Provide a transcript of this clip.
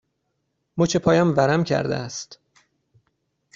مچ پایم ورم کرده است.